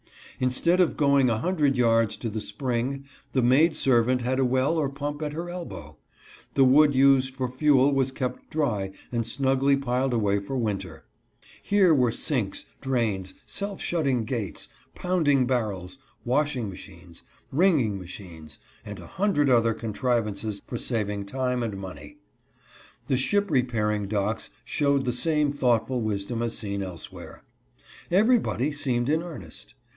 Instead of going a hundred yards to the spring, the maid servant had a well or pump at her elbow. The wood used for fuel was kept dry and snugly piled away for winter. Here were sinks, drains, self shut ting gates, pounding barrels, washing machines, wringing 258 LIFE IN NEW BEDFORD. machines, and a hundred other contrivances for saving time and money. The ship repairing docks showed the same thoughtful wisdom as seen elsewhere. Everybody seemed in earnest.